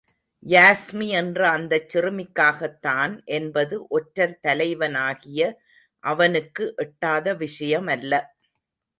யாஸ்மி என்ற அந்தச் சிறுமிக்காகத்தான் என்பது ஒற்றர் தலைவனாகிய அவனுக்கு எட்டாத விஷயமல்ல.